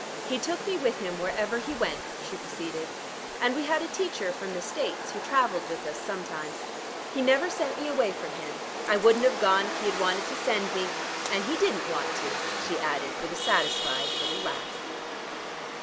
"He took me with him wherever he went," she proceeded. "And we had a teacher from the States, who travelled with us sometimes. He never sent me away from him. I wouldn't have gone if he had wanted to send me and he didn't want to," she added, with a satisfied little laugh.